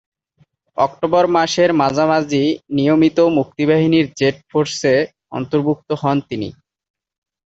October মাসের মাঝামাঝি নিয়মিত মুক্তিবাহিনীর জেড ফোর্সে অন্তর্ভুক্ত হন তিনি।